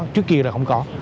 trước kia là không có